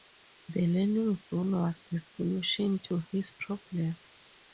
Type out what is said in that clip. The Learning Zone was the solution to this problem.